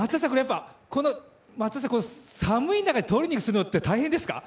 松田さん、寒い中でトレーニングするのって大変ですか？